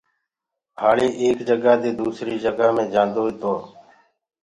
هآݪي ايڪ جگآ دي دوسري جگآ مي جآندوئي تو